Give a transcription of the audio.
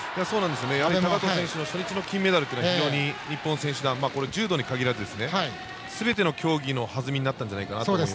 高藤選手の初日の金メダル非常に日本選手団に柔道に限らずすべての競技の弾みになったと思います。